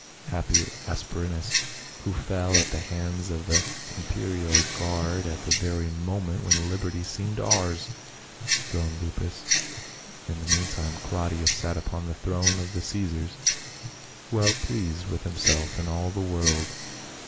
" Happy Asprenas who fell at the hands of the 218 PA UL. imperial guard at the very moment when liberty seemed ours," groaned Lupus. In the meantime Claudius sat upon the throne of the Caesars, well pleased with himself and all the world.